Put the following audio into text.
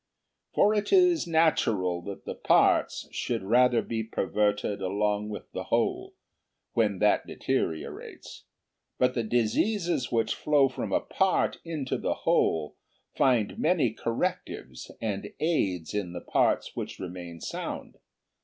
For it is natural that the parts should rather be perverted along with the whole, when that deteriorates; but the diseases which flow from a part into the whole find many correctives and aids in the parts which remain sound.